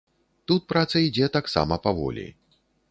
Тут праца ідзе таксама паволі.